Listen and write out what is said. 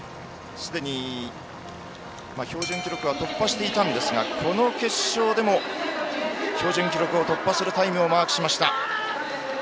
すでに標準記録は突破していましたがこの決勝でも標準記録を突破するタイムをマークしました。